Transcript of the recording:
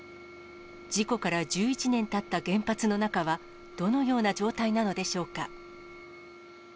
事故から１１年たった原発の中は、どのような状態なのでしょうか。